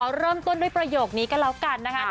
เริ่มต้นด้วยประโยคนี้ก็แล้วกันนะคะ